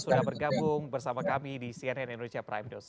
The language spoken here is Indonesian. sudah bergabung bersama kami di cnn indonesia prime news